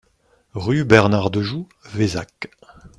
Rue Bernard Dejou, Vézac